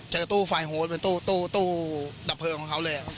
ตู้ไฟโฮสเป็นตู้ดับเพลิงของเขาเลยครับ